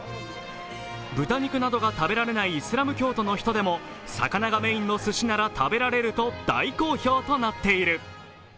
豚肉などが食べられないイスラム教徒の人でも魚がメインの寿司なら食べられると大好評となっている。